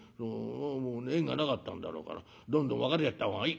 縁がなかったんだろうからどんどん別れちゃった方がいい。